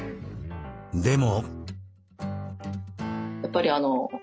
でも。